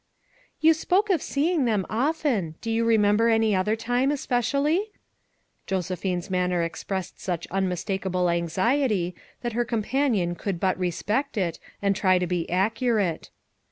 "You spoke of seeing them often; do you remember any other time, especially?" Joseph ine's manner expressed such unmistakable anxiety that her companion could but respect it and try to be accurate.